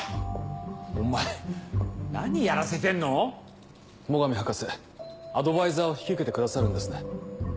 お前何やらせてんの⁉最上博士アドバイザーを引き受けてくださるんですね。